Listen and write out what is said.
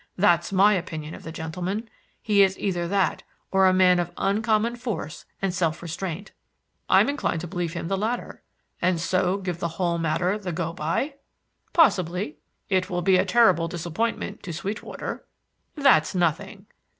That's my opinion of the gentleman. He is either that, or a man of uncommon force and self restraint." "I'm inclined to believe him the latter." "And so give the whole matter the go by?" "Possibly." "It will be a terrible disappointment to Sweetwater." "That's nothing."